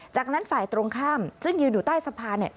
จากนั้นฝ่ายตรงข้ามซึ่งยืนอยู่ใต้สะพานเนี่ย